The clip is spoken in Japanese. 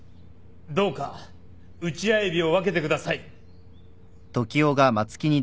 どうかウチワエビを分けてください。